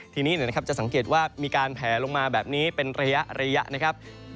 ทีนี้จะสังเกตว่ามีการแผลลงมาแบบนี้เป็นระยะนะครับ